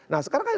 nah sekarang kan